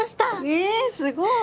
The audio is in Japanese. えすごい。